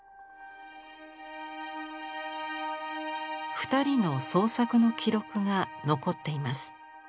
二人の創作の記録が残っています。